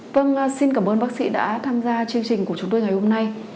vâng xin cảm ơn bác sĩ đã tham gia chương trình của chúng tôi ngày hôm nay